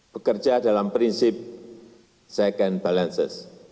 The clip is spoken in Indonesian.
bekerja dalam prinsip second balances